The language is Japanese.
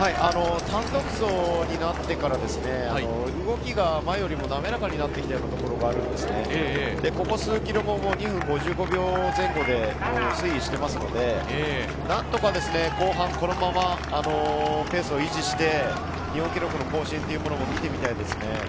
単独走になってから、動きが前よりも滑らかになってきたようなところがあるんですが、ここ数ｋｍも２分５５秒前後で推移していますので、何とか後半このままペースを維持して日本記録の更新を見てみたいですね。